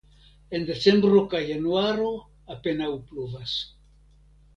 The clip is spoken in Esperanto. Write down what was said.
En decembro kaj januaro apenaŭ pluvas.